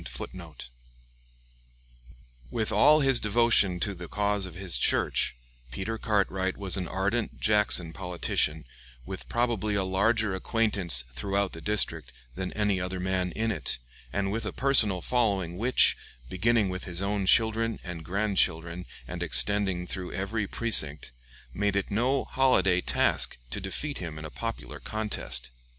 ] With all his devotion to the cause of his church, Peter Cartwright was an ardent Jackson politician, with probably a larger acquaintance throughout the district than any other man in it, and with a personal following which, beginning with his own children and grandchildren and extending through every precinct, made it no holiday task to defeat him in a popular contest.